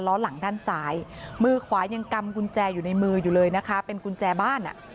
ล้อหลังด้านซ้ายมือขวายังกำกุญแจอยู่ในมืออยู่เลยนะคะเป็นกุญแจบ้านอ่ะ